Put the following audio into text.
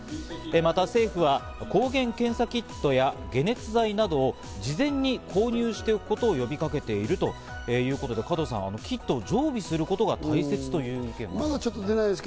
また政府は抗原検査キットや解熱剤などを事前に購入しておくことを呼びかけているということで加藤さん、キットを常備することが大切ということになります。